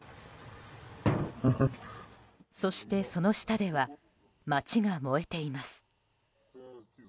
そして、その下では街が燃えています。